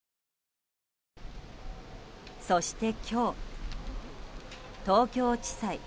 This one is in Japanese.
そして今日、東京地裁。